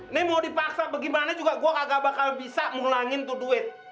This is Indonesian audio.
nih mau dipaksa bagaimana juga gua kagak bakal bisa mengulangi tuh duit